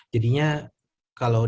jadi kalau diperlukan